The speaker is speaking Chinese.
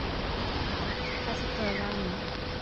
埃斯克拉尼。